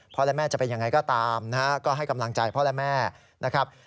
และแม่จะเป็นยังไงก็ตามนะฮะก็ให้กำลังใจพ่อและแม่นะครับ